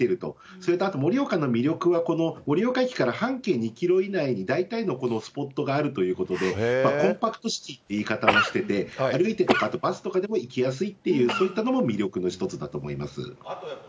それとあと、盛岡の魅力はこの盛岡駅から半径２キロぐらいに大体のこのスポットがあるということで、コンパクトシティーという言い方をしていて、歩いてとか、バスとかでも行きやすいって、そういったところも魅力の一つだと思います。